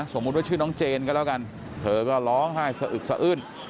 สมมุติว่าชื่อน้องเจนก็แล้วกันเธอก็ร้องไห้สะอึกสะอื้น